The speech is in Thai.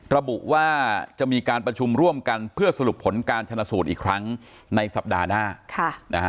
ระบุว่าจะมีการประชุมร่วมกันเพื่อสรุปผลการชนะสูตรอีกครั้งในสัปดาห์หน้า